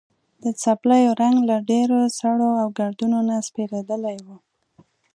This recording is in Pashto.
د څپلیو رنګ له ډېرو سړو او ګردونو نه سپېرېدلی و.